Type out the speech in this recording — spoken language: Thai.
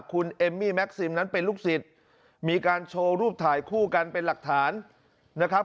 คุณเอมมี่แม็กซิมนั้นเป็นลูกศิษย์มีการโชว์รูปถ่ายคู่กันเป็นหลักฐานนะครับ